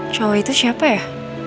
cowok itu siapa ya